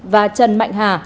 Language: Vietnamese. và trần mạnh hà